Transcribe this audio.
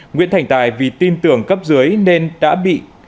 nguyễn thành tài vì tin tưởng cấp dưới nên đã bị